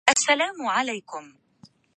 نكرت معرفتي لما حكم